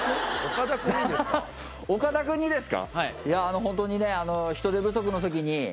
いや本当にね人手不足のときに。